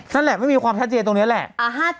นั่นแหละไม่มีความชัดเจนตรงนี้แหละ